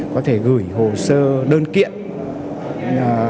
có thể gửi hồ sơ đơn kiện